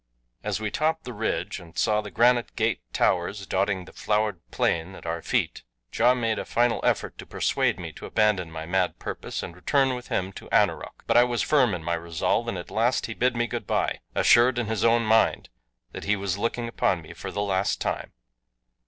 As we topped the ridge and saw the granite gate towers dotting the flowered plain at our feet Ja made a final effort to persuade me to abandon my mad purpose and return with him to Anoroc, but I was firm in my resolve, and at last he bid me good bye, assured in his own mind that he was looking upon me for the last time.